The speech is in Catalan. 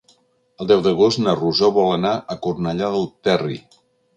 El deu d'agost na Rosó vol anar a Cornellà del Terri.